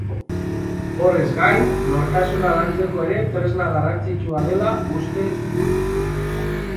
Horrez gain, nortasuna lantzeko ere tresna garrantzitsua dela uste du.